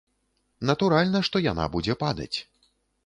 Натуральна, што яна будзе падаць.